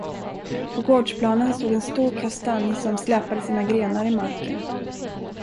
På gårdsplanen stod en stor kastanj som släpade sina grenar i marken.